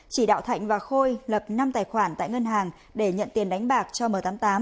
chỉ đạo thạnh và khôi lập năm tài khoản tại ngân hàng để nhận tiền đánh bạc cho m tám mươi tám